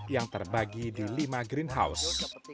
yang terbagi di lima greenhouse